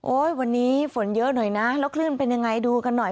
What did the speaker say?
วันนี้ฝนเยอะหน่อยนะแล้วคลื่นเป็นยังไงดูกันหน่อย